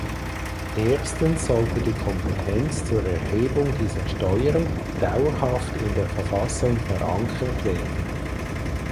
Erstens sollte die Kompetenz zur Erhebung dieser Steuern dauerhaft in der Verfassung verankert werden.